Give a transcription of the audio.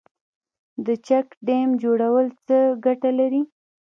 د چک ډیم جوړول څه ګټه لري؟